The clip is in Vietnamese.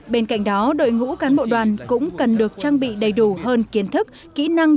bên cạnh đó đội ngũ cán bộ đoàn cũng cần được trang bị đầy đủ hơn kiến thức kỹ năng